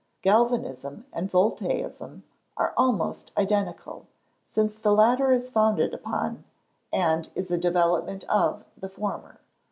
Galvanism and Voltaism are almost identical, since the latter is founded upon, and is a development of, the former.